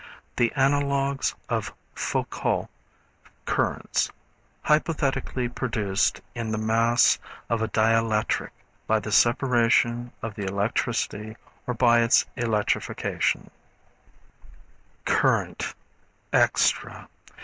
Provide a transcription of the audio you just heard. The analogues of Foucault currents, hypothetically produced in the mass of a dielectric by the separation of the electricity or by its electrification. (See Displacement.) Current, Extra.